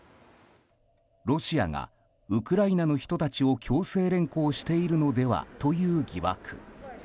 ロシアがウクライナの人たちを強制連行しているのではという疑惑。